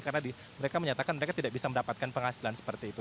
karena mereka menyatakan mereka tidak bisa mendapatkan penghasilan seperti itu